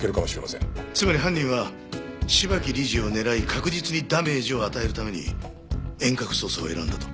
つまり犯人は芝木理事を狙い確実にダメージを与えるために遠隔操作を選んだと？